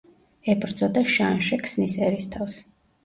ებრძოდა შანშე ქსნის ერისთავს.